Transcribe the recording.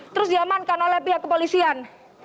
terus diamankan oleh pihak kepolisian